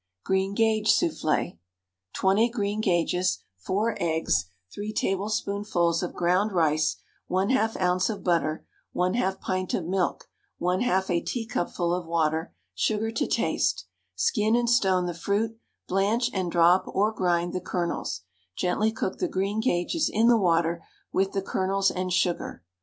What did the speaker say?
GREENGAGE SOUFFLÉ. 20 greengages, 4 eggs, 3 tablespoonfuls of ground rice, 1/2 oz. of butter, 1/2 pint of milk, 1/2 a teacupful of water, sugar to taste. Skin and stone the fruit; blanch and drop (or grind) the kernels; gently cook the greengages in the water with the kernels and sugar.